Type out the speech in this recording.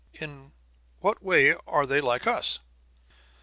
"In what way are they like us?"